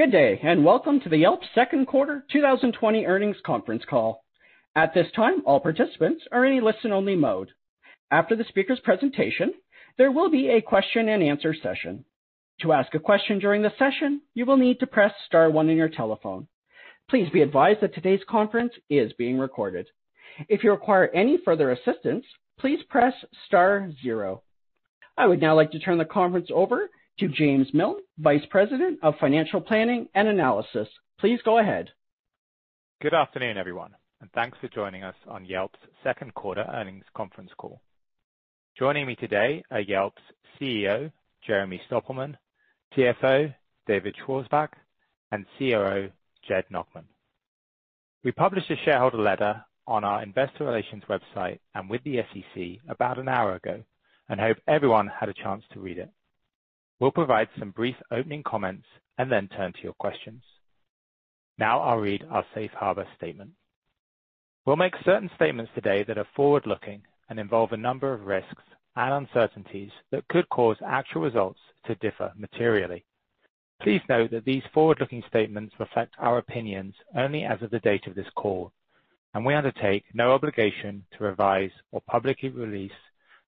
Good day, and welcome to the Yelp second quarter 2020 earnings conference call. At this time, all participants are in a listen-only mode. After the speaker's presentation, there will be a Q&A session. To ask a question during the session, you will need to press star one in your telephone. Please be advised that today's conference is being recorded. If you require any further assistance, please press star zero. I would now like to turn the conference over to James Miln, Vice President of Financial Planning and Analysis. Please go ahead. Good afternoon, everyone, thanks for joining us on Yelp's second quarter earnings conference call. Joining me today are Yelp's CEO, Jeremy Stoppelman, CFO, David Schwarzbach, and COO, Jed Nachman. We published a shareholder letter on our investor relations website and with the SEC about an hour ago, and hope everyone had a chance to read it. We'll provide some brief opening comments and then turn to your questions. Now I'll read our safe harbor statement. We'll make certain statements today that are forward-looking and involve a number of risks and uncertainties that could cause actual results to differ materially. Please note that these forward-looking statements reflect our opinions only as of the date of this call, and we undertake no obligation to revise or publicly release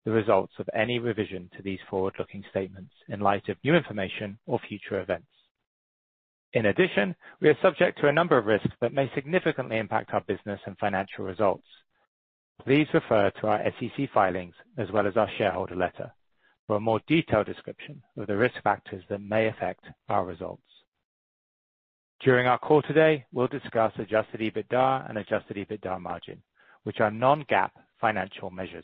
the results of any revision to these forward-looking statements in light of new information or future events. In addition, we are subject to a number of risks that may significantly impact our business and financial results. Please refer to our SEC filings as well as our shareholder letter for a more detailed description of the risk factors that may affect our results. During our call today, we'll discuss adjusted EBITDA and adjusted EBITDA margin, which are non-GAAP financial measures.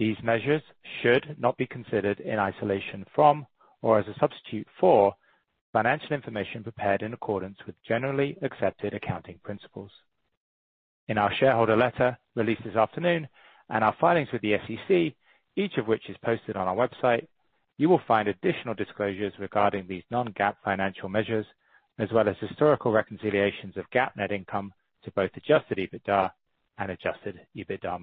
These measures should not be considered in isolation from or as a substitute for financial information prepared in accordance with generally accepted accounting principles. In our shareholder letter released this afternoon and our filings with the SEC, each of which is posted on our website, you will find additional disclosures regarding these non-GAAP financial measures, as well as historical reconciliations of GAAP net income to both adjusted EBITDA and adjusted EBITDA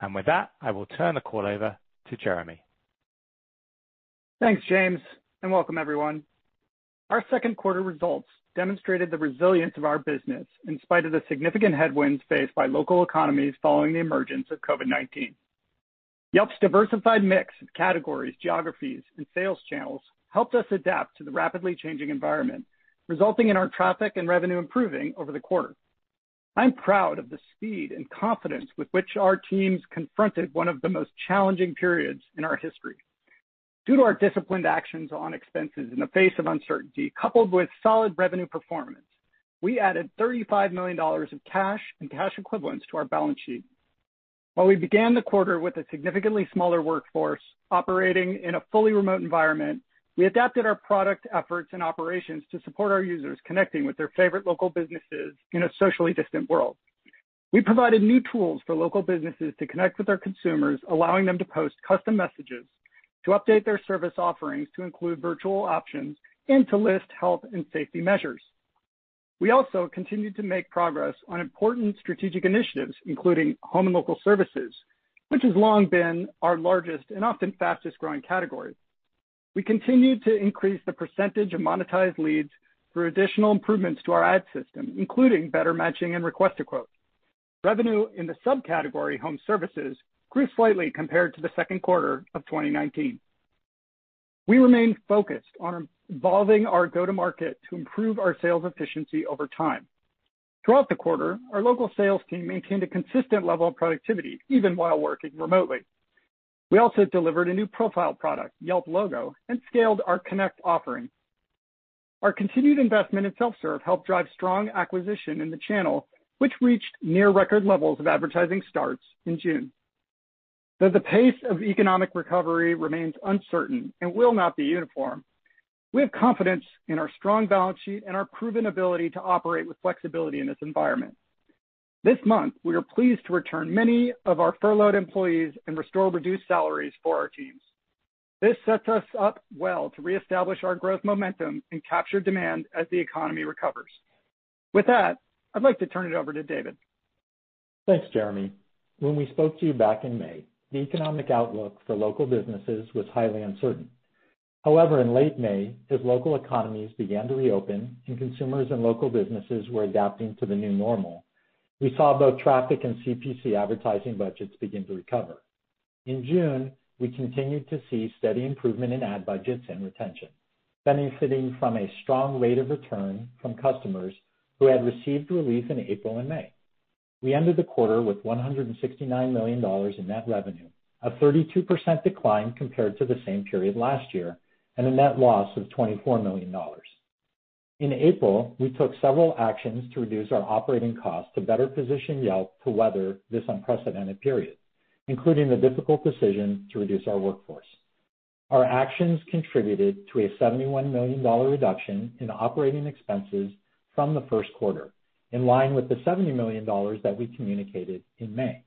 margin. With that, I will turn the call over to Jeremy. Thanks, James, and welcome everyone. Our second quarter results demonstrated the resilience of our business in spite of the significant headwinds faced by local economies following the emergence of COVID-19. Yelp's diversified mix of categories, geographies, and sales channels helped us adapt to the rapidly changing environment, resulting in our traffic and revenue improving over the quarter. I'm proud of the speed and confidence with which our teams confronted one of the most challenging periods in our history. Due to our disciplined actions on expenses in the face of uncertainty, coupled with solid revenue performance, we added $35 million of cash and cash equivalents to our balance sheet. While we began the quarter with a significantly smaller workforce operating in a fully remote environment, we adapted our product efforts and operations to support our users connecting with their favorite local businesses in a socially distant world. We provided new tools for local businesses to connect with their consumers, allowing them to post custom messages, to update their service offerings to include virtual options, and to list health and safety measures. We also continued to make progress on important strategic initiatives, including home and local services, which has long been our largest and often fastest-growing category. We continued to increase the percentage of monetized leads through additional improvements to our ad system, including better matching and Request a Quote. Revenue in the subcategory Home Services grew slightly compared to the second quarter of 2019. We remained focused on evolving our go-to-market to improve our sales efficiency over time. Throughout the quarter, our local sales team maintained a consistent level of productivity, even while working remotely. We also delivered a new profile product, Yelp Logo, and scaled our Connect offering. Our continued investment in self-serve helped drive strong acquisition in the channel, which reached near-record levels of advertising starts in June. Though the pace of economic recovery remains uncertain and will not be uniform, we have confidence in our strong balance sheet and our proven ability to operate with flexibility in this environment. This month, we are pleased to return many of our furloughed employees and restore reduced salaries for our teams. This sets us up well to reestablish our growth momentum and capture demand as the economy recovers. With that, I'd like to turn it over to David. Thanks, Jeremy. When we spoke to you back in May, the economic outlook for local businesses was highly uncertain. However, in late May, as local economies began to reopen and consumers and local businesses were adapting to the new normal, we saw both traffic and CPC advertising budgets begin to recover. In June, we continued to see steady improvement in ad budgets and retention, benefiting from a strong rate of return from customers who had received relief in April and May. We ended the quarter with $169 million in net revenue, a 32% decline compared to the same period last year, and a net loss of $24 million. In April, we took several actions to reduce our operating costs to better position Yelp to weather this unprecedented period, including the difficult decision to reduce our workforce. Our actions contributed to a $71 million reduction in operating expenses from the first quarter, in line with the $70 million that we communicated in May.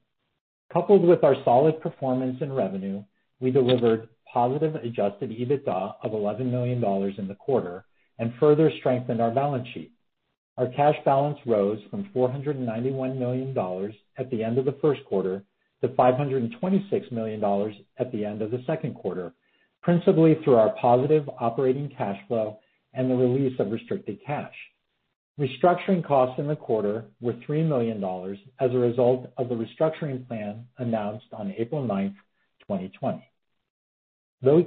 Coupled with our solid performance and revenue, we delivered positive adjusted EBITDA of $11 million in the quarter and further strengthened our balance sheet. Our cash balance rose from $491 million at the end of the first quarter to $526 million at the end of the second quarter, principally through our positive operating cash flow and the release of restricted cash. Restructuring costs in the quarter were $3 million as a result of the restructuring plan announced on April 9th, 2020.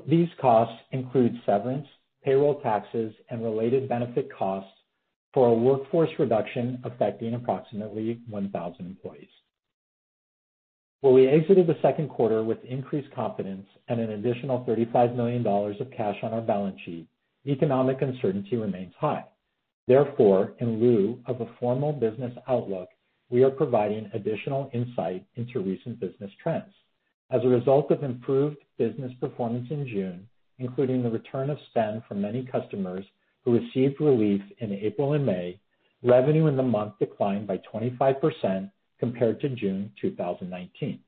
These costs include severance, payroll taxes, and related benefit costs for a workforce reduction affecting approximately 1,000 employees. While we exited the second quarter with increased confidence and an additional $35 million of cash on our balance sheet, economic uncertainty remains high. Therefore, in lieu of a formal business outlook, we are providing additional insight into recent business trends. As a result of improved business performance in June, including the return of spend from many customers who received relief in April and May, revenue in the month declined by 25% compared to June 2019.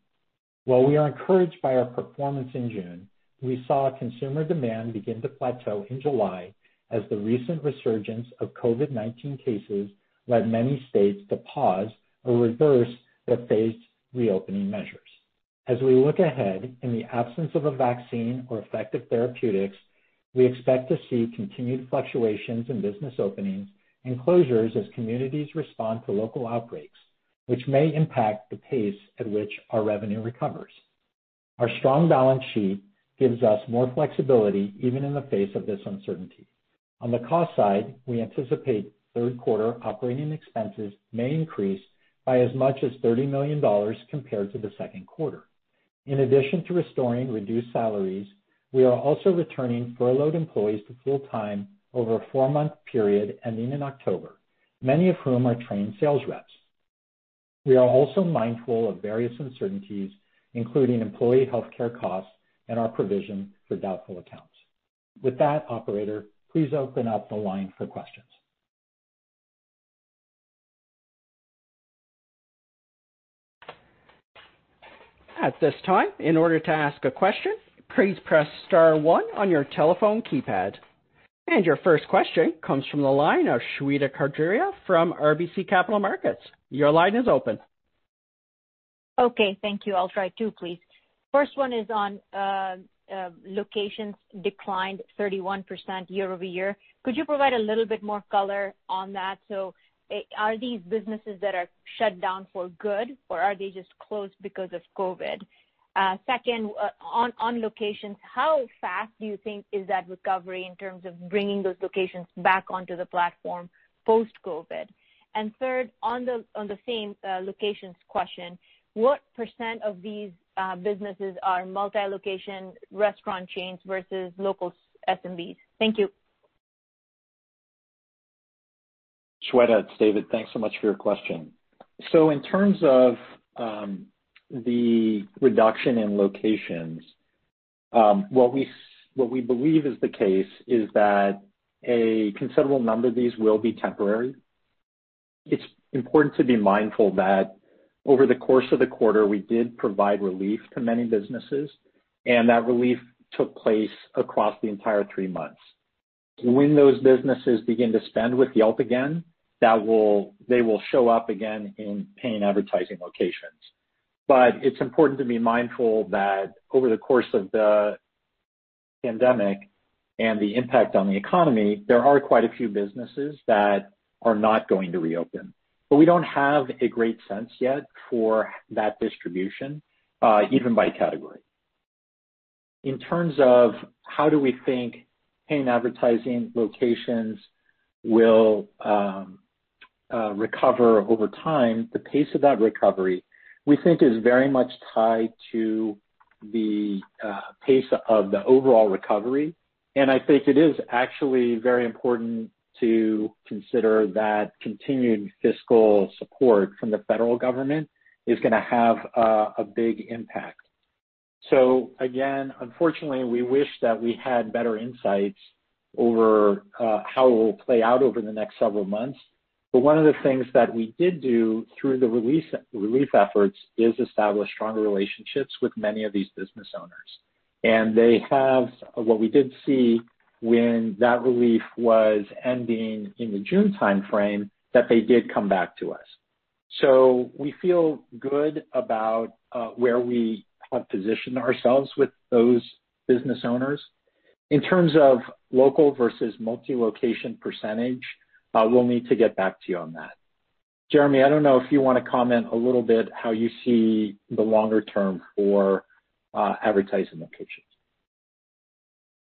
While we are encouraged by our performance in June, we saw consumer demand begin to plateau in July as the recent resurgence of COVID-19 cases led many states to pause or reverse their phased reopening measures. As we look ahead, in the absence of a vaccine or effective therapeutics, we expect to see continued fluctuations in business openings and closures as communities respond to local outbreaks, which may impact the pace at which our revenue recovers. Our strong balance sheet gives us more flexibility even in the face of this uncertainty. On the cost side, we anticipate third quarter operating expenses may increase by as much as $30 million compared to the second quarter. In addition to restoring reduced salaries, we are also returning furloughed employees to full-time over a four-month period ending in October, many of whom are trained sales reps. We are also mindful of various uncertainties, including employee healthcare costs and our provision for doubtful accounts. With that, operator, please open up the line for questions. At this time, in order to ask a question, please press star one on your telephone keypad. Your first question comes from the line of Shweta Khajuria from RBC Capital Markets. Your line is open. Okay, thank you. I'll try two, please. First one is on locations declined 31% year-over-year. Could you provide a little bit more color on that? Are these businesses that are shut down for good or are they just closed because of COVID? Second, on locations, how fast do you think is that recovery in terms of bringing those locations back onto the platform post-COVID? Third, on the same locations question, what percent of these businesses are multi-location restaurant chains versus local SMBs? Thank you. Shweta, it's David. Thanks so much for your question. In terms of the reduction in locations, what we believe is the case is that a considerable number of these will be temporary. It's important to be mindful that over the course of the quarter, we did provide relief to many businesses, and that relief took place across the entire three months. When those businesses begin to spend with Yelp again, they will show up again in paying advertising locations. It's important to be mindful that over the course of the pandemic and the impact on the economy, there are quite a few businesses that are not going to reopen. We don't have a great sense yet for that distribution, even by category. In terms of how do we think paying advertising locations will recover over time, the pace of that recovery, we think is very much tied to the pace of the overall recovery. I think it is actually very important to consider that continued fiscal support from the federal government is going to have a big impact. Again, unfortunately, we wish that we had better insights over how it will play out over the next several months. One of the things that we did do through the relief efforts is establish stronger relationships with many of these business owners. What we did see when that relief was ending in the June timeframe, that they did come back to us. We feel good about where we have positioned ourselves with those business owners. In terms of local versus multi-location percentage, we'll need to get back to you on that. Jeremy, I don't know if you want to comment a little bit how you see the longer term for advertising locations.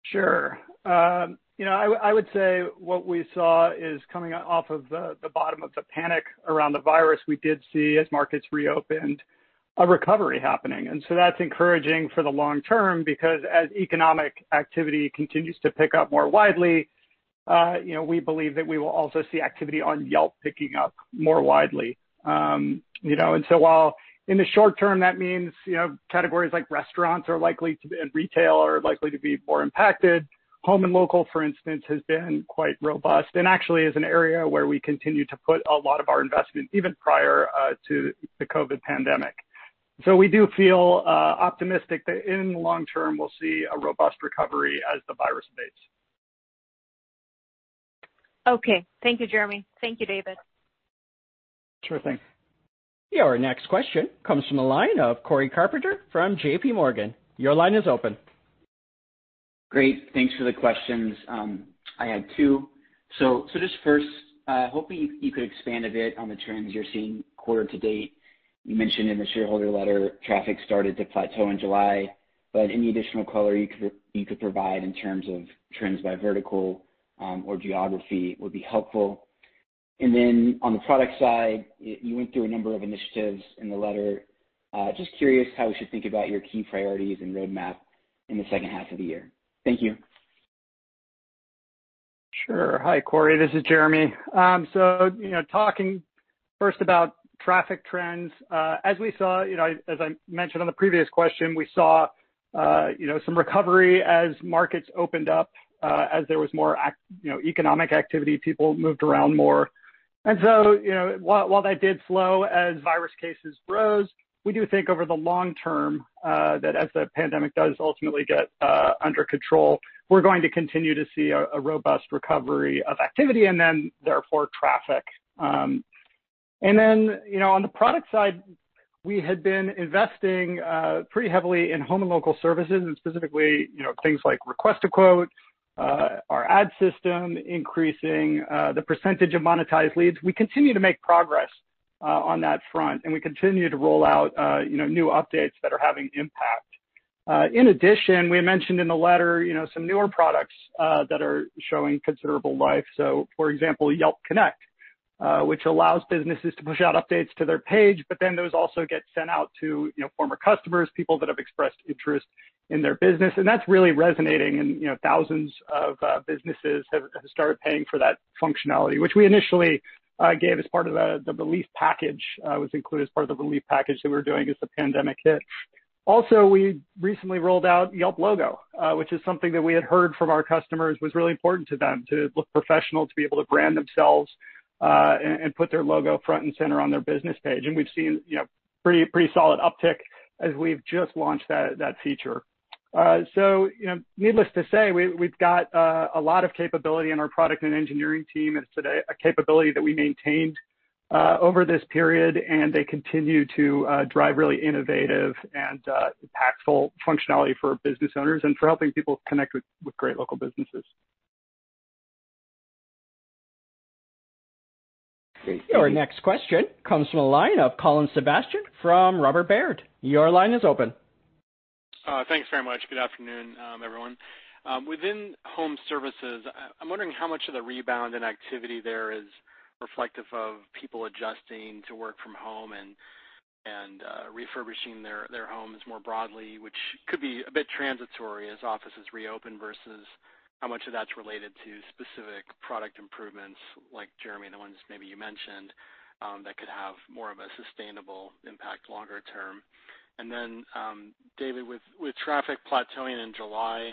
Sure. I would say what we saw is coming off of the bottom of the panic around the virus, we did see as markets reopened, a recovery happening. That's encouraging for the long term because as economic activity continues to pick up more widely, we believe that we will also see activity on Yelp picking up more widely. While in the short term, that means categories like restaurants and retail are likely to be more impacted. Home and local, for instance, has been quite robust and actually is an area where we continue to put a lot of our investment, even prior to the COVID pandemic. We do feel optimistic that in the long term, we'll see a robust recovery as the virus abates. Okay. Thank you, Jeremy. Thank you, David. Sure thing. Your next question comes from the line of Cory Carpenter from JPMorgan. Your line is open. Great. Thanks for the questions. I had two. Just first, hoping you could expand a bit on the trends you're seeing quarter to date. You mentioned in the shareholder letter, traffic started to plateau in July, but any additional color you could provide in terms of trends by vertical or geography would be helpful. Then on the product side, you went through a number of initiatives in the letter. Just curious how we should think about your key priorities and roadmap in the second half of the year. Thank you. Sure. Hi, Cory. This is Jeremy. Talking first about traffic trends. As I mentioned on the previous question, we saw some recovery as markets opened up, as there was more economic activity, people moved around more. While that did slow as virus cases rose, we do think over the long term that as the pandemic does ultimately get under control, we're going to continue to see a robust recovery of activity and then therefore traffic. On the product side, we had been investing pretty heavily in home and local services and specifically, things like Request a Quote, our ad system, increasing the percentage of monetized leads. We continue to make progress on that front, and we continue to roll out new updates that are having impact. In addition, we mentioned in the letter, some newer products that are showing considerable life. For example, Yelp Connect, which allows businesses to push out updates to their page, those also get sent out to former customers, people that have expressed interest in their business. That's really resonating and thousands of businesses have started paying for that functionality, which we initially gave as part of the relief package, was included as part of the relief package that we were doing as the pandemic hit. Also, we recently rolled out Yelp Logo, which is something that we had heard from our customers was really important to them to look professional, to be able to brand themselves, and put their logo front and center on their business page. We've seen pretty solid uptick as we've just launched that feature. Needless to say, we've got a lot of capability in our product and engineering team, and it's a capability that we maintained over this period, and they continue to drive really innovative and impactful functionality for business owners and for helping people connect with great local businesses. Your next question comes from the line of Colin Sebastian from Robert Baird. Your line is open. Thanks very much. Good afternoon, everyone. Within Home Services, I'm wondering how much of the rebound in activity there is reflective of people adjusting to work from home and refurbishing their homes more broadly, which could be a bit transitory as offices reopen, versus how much of that's related to specific product improvements, like Jeremy, the ones maybe you mentioned, that could have more of a sustainable impact longer term. David, with traffic plateauing in July,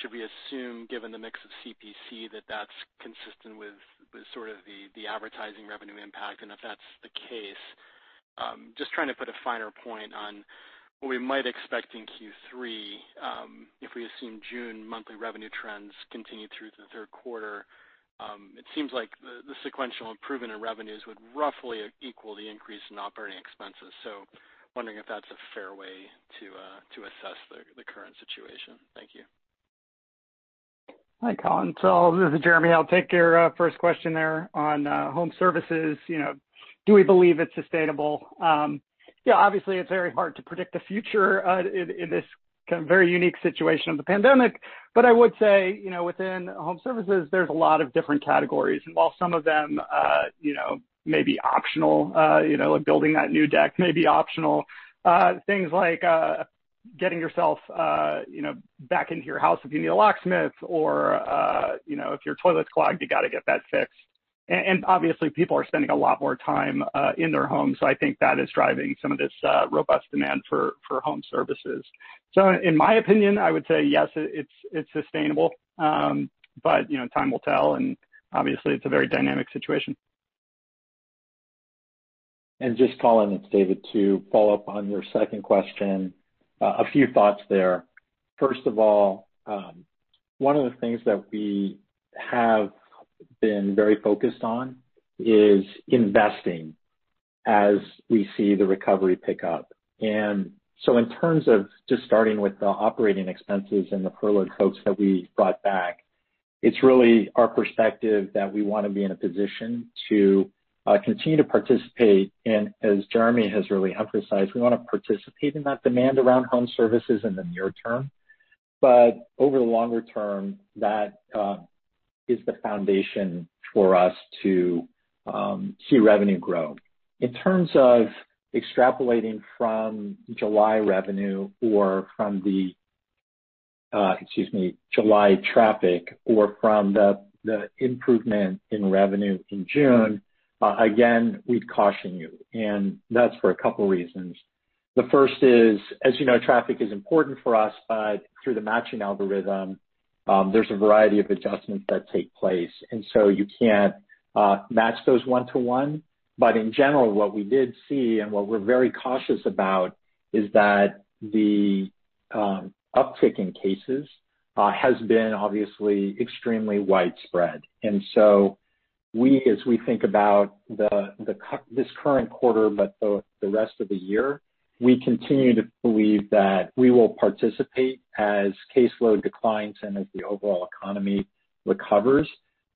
should we assume, given the mix of CPC, that that's consistent with sort of the advertising revenue impact? If that's the case, just trying to put a finer point on what we might expect in Q3 if we assume June monthly revenue trends continue through to the third quarter. It seems like the sequential improvement in revenues would roughly equal the increase in operating expenses. Wondering if that's a fair way to assess the current situation. Thank you. Hi, Colin. This is Jeremy. I'll take your first question there on Home Services. Do we believe it's sustainable? Yeah, obviously it's very hard to predict the future in this very unique situation of the pandemic. I would say, within Home Services, there's a lot of different categories. While some of them may be optional, like building that new deck may be optional. Things like getting yourself back into your house if you need a locksmith or if your toilet's clogged, you got to get that fixed. Obviously people are spending a lot more time in their homes, so I think that is driving some of this robust demand for Home Services. In my opinion, I would say yes, it's sustainable. Time will tell, and obviously it's a very dynamic situation. Just Colin, it's David. To follow up on your second question, a few thoughts there. First of all, one of the things that we have been very focused on is investing as we see the recovery pick up. In terms of just starting with the operating expenses and the furloughed folks that we brought back, it's really our perspective that we want to be in a position to continue to participate in, as Jeremy has really emphasized, we want to participate in that demand around Home Services in the near term. Over the longer term, that is the foundation for us to see revenue grow. In terms of extrapolating from July revenue or from the, excuse me, July traffic or from the improvement in revenue in June, again, we'd caution you, and that's for a couple of reasons. The first is, as you know, traffic is important for us, but through the matching algorithm. There's a variety of adjustments that take place, and so you can't match those one to one. In general, what we did see and what we're very cautious about is that the uptick in cases has been obviously extremely widespread. As we think about this current quarter, but the rest of the year, we continue to believe that we will participate as caseload declines and as the overall economy recovers.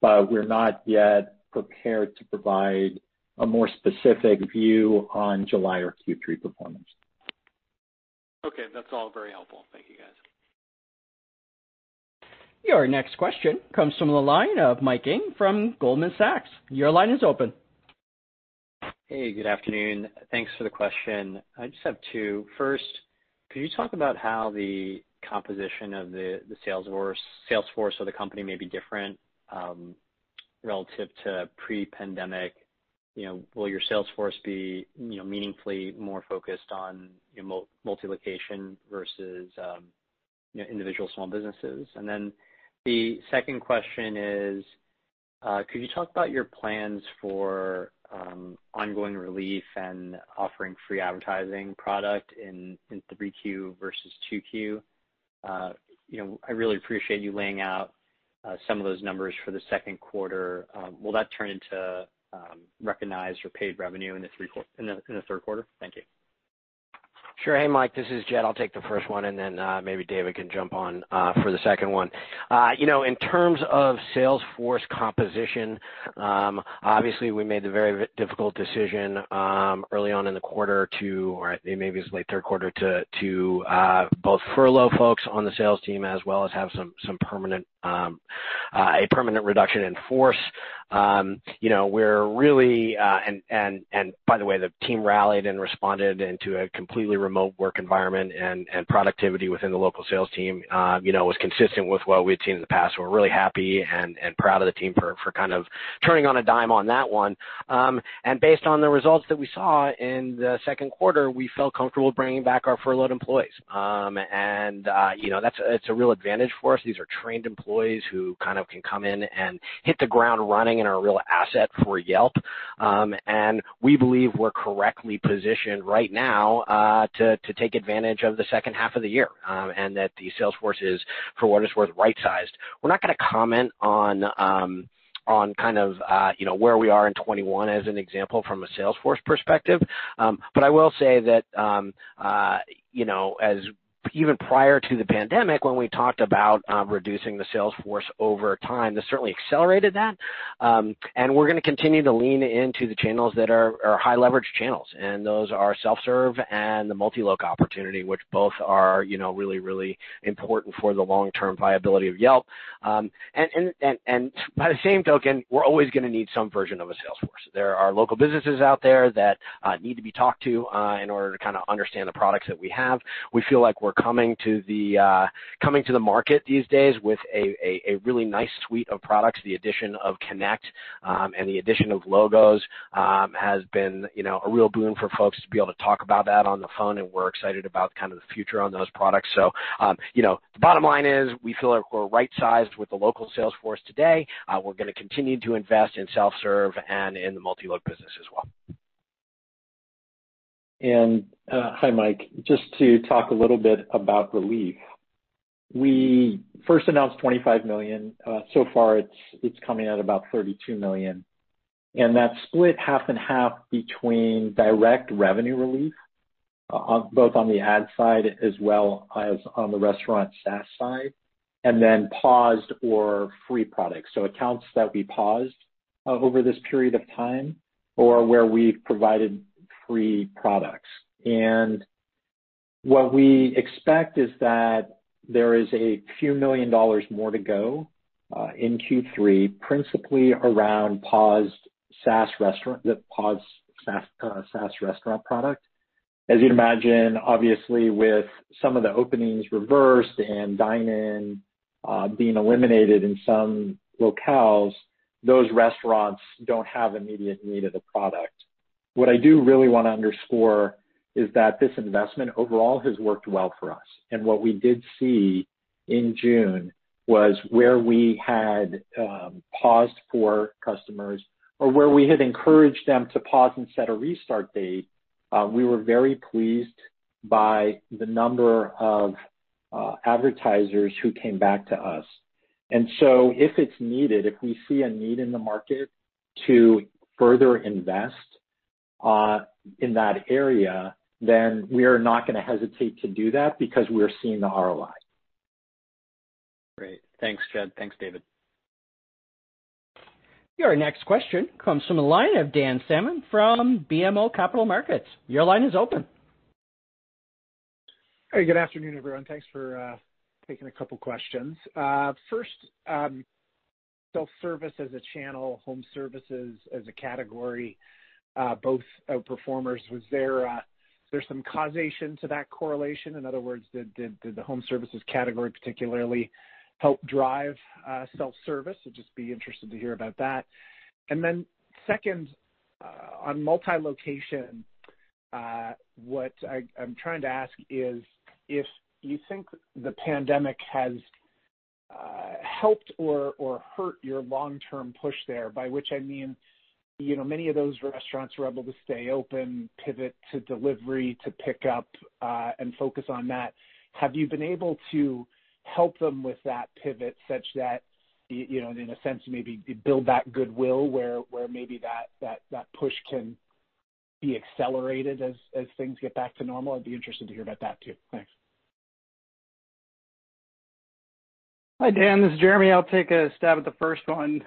We're not yet prepared to provide a more specific view on July or Q3 performance. Okay, that's all very helpful. Thank you, guys. Your next question comes from the line of Mike Ng from Goldman Sachs. Your line is open. Hey, good afternoon. Thanks for the question. I just have two. First, could you talk about how the composition of the sales force of the company may be different relative to pre-pandemic? Will your sales force be meaningfully more focused on multi-location versus individual small businesses? The second question is, could you talk about your plans for ongoing relief and offering free advertising product in 3Q versus 2Q? I really appreciate you laying out some of those numbers for the second quarter. Will that turn into recognized or paid revenue in the third quarter? Thank you. Sure. Hey, Mike, this is Jed. I'll take the first one, and then maybe David can jump on for the second one. In terms of sales force composition, obviously we made the very difficult decision early on in the quarter to, or maybe it was late third quarter, to both furlough folks on the sales team as well as have a permanent reduction in force. By the way, the team rallied and responded into a completely remote work environment, and productivity within the local sales team was consistent with what we had seen in the past. We're really happy and proud of the team for kind of turning on a dime on that one. Based on the results that we saw in the second quarter, we felt comfortable bringing back our furloughed employees. That's a real advantage for us. These are trained employees who kind of can come in and hit the ground running and are a real asset for Yelp. We believe we're correctly positioned right now to take advantage of the second half of the year, and that the sales force is, for what it's worth, right-sized. We're not going to comment on kind of where we are in 2021 as an example from a sales force perspective. I will say that, even prior to the pandemic, when we talked about reducing the sales force over time, this certainly accelerated that. We're going to continue to lean into the channels that are our high leverage channels, and those are self-serve and the multi-loc opportunity, which both are really, really important for the long-term viability of Yelp. By the same token, we're always going to need some version of a sales force. There are local businesses out there that need to be talked to in order to kind of understand the products that we have. We feel like we're coming to the market these days with a really nice suite of products. The addition of Connect and the addition of Logos has been a real boon for folks to be able to talk about that on the phone, and we're excited about kind of the future on those products. The bottom line is, we feel like we're right-sized with the local sales force today. We're going to continue to invest in self-serve and in the multi-loc business as well. Hi, Mike. Just to talk a little bit about relief. We first announced $25 million. So far, it's coming at about $32 million, and that's split half and half between direct revenue relief, both on the ad side as well as on the restaurant SaaS side, and then paused or free products. Accounts that we paused over this period of time or where we've provided free products. What we expect is that there is a few million dollars more to go in Q3, principally around paused SaaS restaurant product. As you'd imagine, obviously with some of the openings reversed and dine-in being eliminated in some locales, those restaurants don't have immediate need of the product. What I do really want to underscore is that this investment overall has worked well for us. What we did see in June was where we had paused for customers or where we had encouraged them to pause and set a restart date, we were very pleased by the number of advertisers who came back to us. If it's needed, if we see a need in the market to further invest in that area, then we are not going to hesitate to do that because we are seeing the ROI. Great. Thanks, Jed. Thanks, David. Your next question comes from the line of Dan Salmon from BMO Capital Markets. Your line is open. Hey, good afternoon, everyone. Thanks for taking a couple questions. First, self-service as a channel, Home Services as a category, both outperformers. Was there some causation to that correlation? In other words, did the Home Services category particularly help drive self-service? I'd just be interested to hear about that. Second. On multi-location, what I'm trying to ask is if you think the pandemic has helped or hurt your long-term push there, by which I mean, many of those restaurants were able to stay open, pivot to delivery, to pick-up, and focus on that. Have you been able to help them with that pivot such that, in a sense, maybe build that goodwill where maybe that push can be accelerated as things get back to normal? I'd be interested to hear about that, too. Thanks. Hi, Dan. This is Jeremy. I'll take a stab at the first one,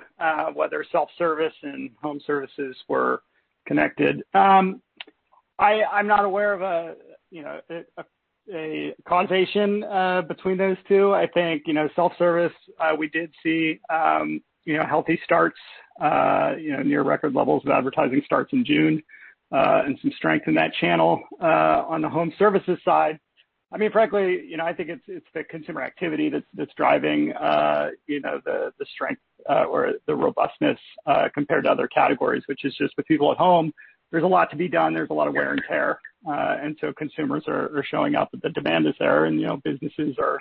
whether self-service and Home Services were connected. I'm not aware of a causation between those two. I think, self-service, we did see healthy starts, near record levels of advertising starts in June, and some strength in that channel. On the Home Services side, frankly, I think it's the consumer activity that's driving the strength or the robustness compared to other categories, which is just with people at home, there's a lot to be done. There's a lot of wear and tear. Consumers are showing up, the demand is there, and businesses are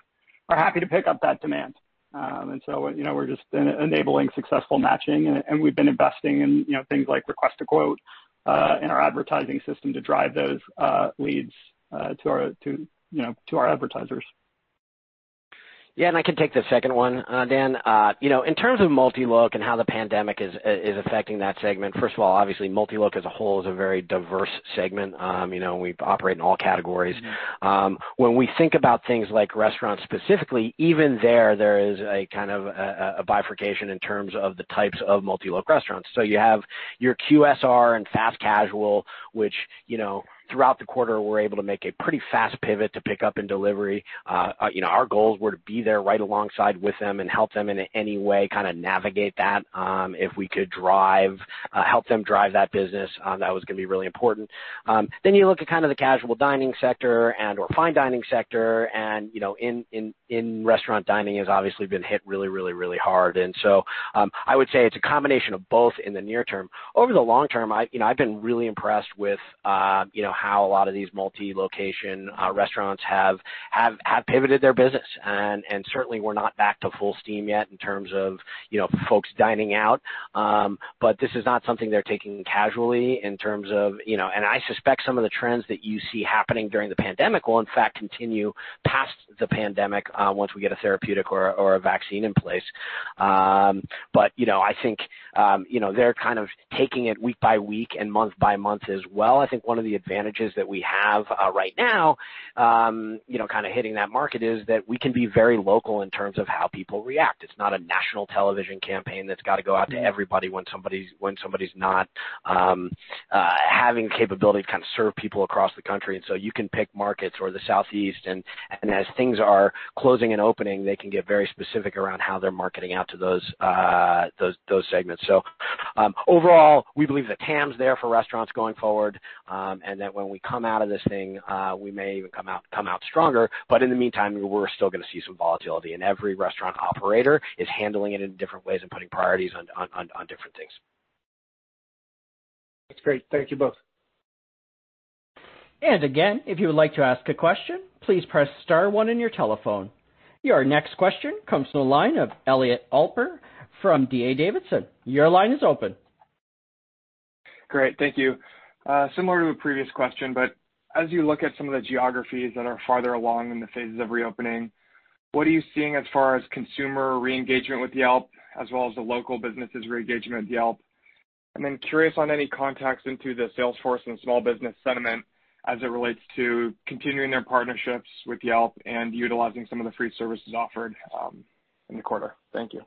happy to pick up that demand. We're just enabling successful matching, and we've been investing in things like Request a Quote in our advertising system to drive those leads to our advertisers. I can take the second one, Dan. In terms of multi-loc and how the pandemic is affecting that segment, first of all, obviously, multi-loc as a whole is a very diverse segment. We operate in all categories. When we think about things like restaurants specifically, even there is a kind of a bifurcation in terms of the types of multi-loc restaurants. You have your QSR and fast casual, which throughout the quarter, were able to make a pretty fast pivot to pick-up and delivery. Our goals were to be there right alongside with them and help them in any way navigate that. If we could help them drive that business, that was going to be really important. You look at kind of the casual dining sector and/or fine dining sector, and in restaurant dining has obviously been hit really, really, really hard. I would say it's a combination of both in the near term. Over the long term, I've been really impressed with how a lot of these multi-location restaurants have pivoted their business. Certainly, we're not back to full steam yet in terms of folks dining out. This is not something they're taking casually. I suspect some of the trends that you see happening during the pandemic will, in fact, continue past the pandemic, once we get a therapeutic or a vaccine in place. I think they're kind of taking it week by week and month by month as well. I think one of the advantages that we have right now, kind of hitting that market is that we can be very local in terms of how people react. It's not a national television campaign that's got to go out to everybody when somebody's not having the capability to kind of serve people across the country. You can pick markets or the Southeast and as things are closing and opening, they can get very specific around how they're marketing out to those segments. Overall, we believe the TAM's there for restaurants going forward, and that when we come out of this thing, we may even come out stronger. In the meantime, we're still going to see some volatility, and every restaurant operator is handling it in different ways and putting priorities on different things. That's great. Thank you both. Again, if you would like to ask a question, please press star one on your telephone. Your next question comes from the line of Elliot Alper from D.A. Davidson. Your line is open. Great. Thank you. Similar to a previous question, but as you look at some of the geographies that are farther along in the phases of reopening, what are you seeing as far as consumer re-engagement with Yelp as well as the local businesses' re-engagement with Yelp? Then curious on any contacts into the sales force and small business sentiment as it relates to continuing their partnerships with Yelp and utilizing some of the free services offered in the quarter? Thank you.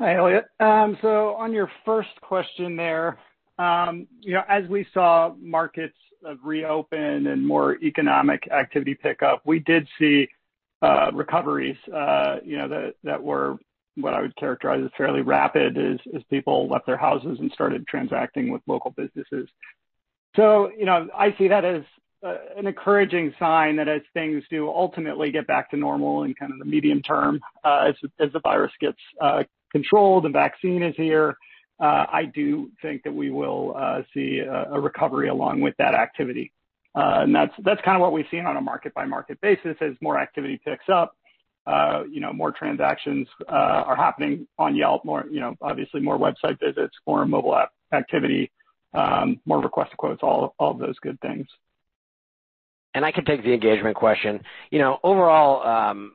Hi, Elliot. On your first question there, as we saw markets reopen and more economic activity pick up, we did see recoveries that were what I would characterize as fairly rapid as people left their houses and started transacting with local businesses. I see that as an encouraging sign that as things do ultimately get back to normal in kind of the medium term, as the virus gets controlled, the vaccine is here, I do think that we will see a recovery along with that activity. That's kind of what we've seen on a market-by-market basis. As more activity picks up, more transactions are happening on Yelp. Obviously, more website visits, more mobile app activity, more Request a Quote, all of those good things. I can take the engagement question. Overall,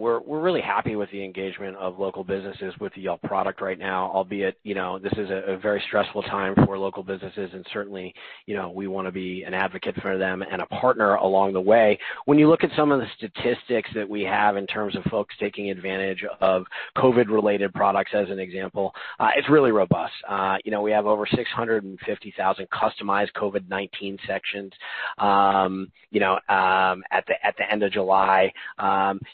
we're really happy with the engagement of local businesses with the Yelp product right now, albeit, this is a very stressful time for local businesses and certainly, we want to be an advocate for them and a partner along the way. When you look at some of the statistics that we have in terms of folks taking advantage of COVID-related products, as an example, it's really robust. We have over 650,000 customized COVID-19 sections at the end of July.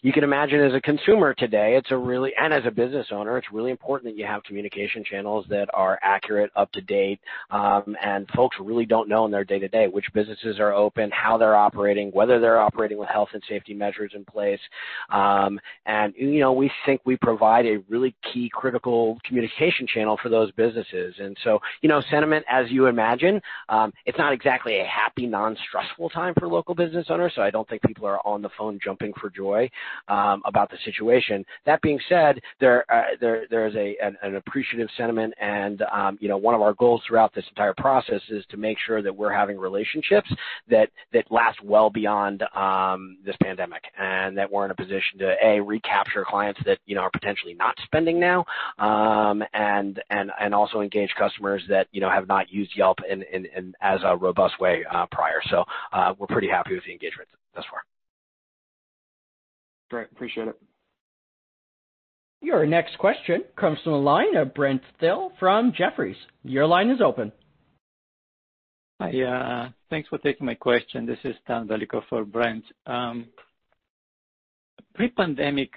You can imagine as a consumer today, and as a business owner, it's really important that you have communication channels that are accurate, up-to-date. Folks really don't know in their day-to-day which businesses are open, how they're operating, whether they're operating with health and safety measures in place. We think we provide a really key critical communication channel for those businesses. Sentiment, as you imagine, it's not exactly a happy, non-stressful time for local business owners, so I don't think people are on the phone jumping for joy about the situation. That being said, there is an appreciative sentiment and one of our goals throughout this entire process is to make sure that we're having relationships that last well beyond this pandemic, and that we're in a position to, A, recapture clients that are potentially not spending now, and also engage customers that have not used Yelp in as a robust way prior. We're pretty happy with the engagement thus far. Great. Appreciate it. Your next question comes from the line of Brent Thill from Jefferies. Your line is open. Hi. Thanks for taking my question. This is Stan Velikov for Brent. Pre-pandemic,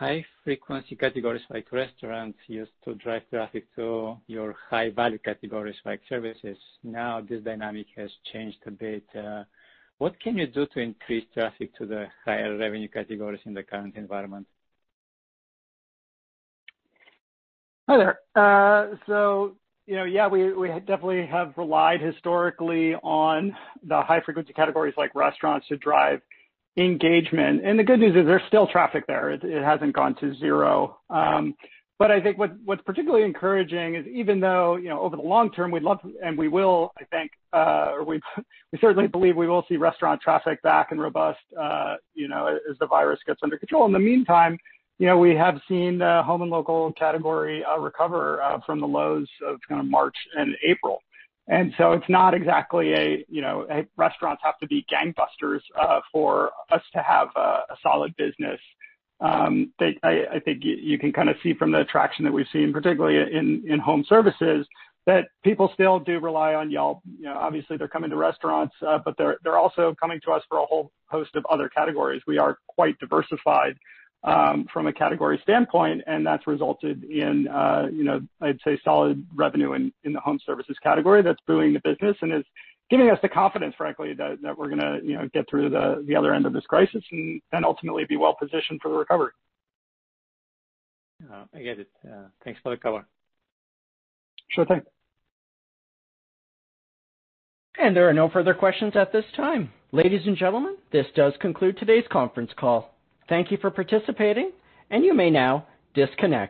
high-frequency categories like restaurants used to drive traffic to your high-value categories like services. Now, this dynamic has changed a bit. What can you do to increase traffic to the higher revenue categories in the current environment? Yeah, we definitely have relied historically on the high-frequency categories like restaurants to drive engagement. The good news is there's still traffic there. It hasn't gone to zero. I think what's particularly encouraging is even though, over the long term, we'd love to, and we will, I think, or we certainly believe we will see restaurant traffic back and robust as the virus gets under control. In the meantime, we have seen the home and local category recover from the lows of kind of March and April. It's not exactly a restaurants have to be gangbusters for us to have a solid business. I think you can kind of see from the traction that we've seen, particularly in Home Services, that people still do rely on Yelp. Obviously, they're coming to restaurants, but they're also coming to us for a whole host of other categories. We are quite diversified from a category standpoint, and that's resulted in, I'd say, solid revenue in the Home Services category that's buoying the business and is giving us the confidence, frankly, that we're going to get through the other end of this crisis and ultimately be well-positioned for the recovery. I get it. Thanks for the color. Sure thing. There are no further questions at this time. Ladies and gentlemen, this does conclude today's conference call. Thank you for participating, and you may now disconnect.